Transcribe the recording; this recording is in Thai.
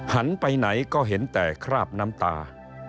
ไปไหนก็เห็นแต่คราบน้ำตา